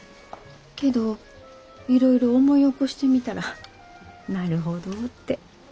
けどいろいろ思い起こしてみたらなるほどって。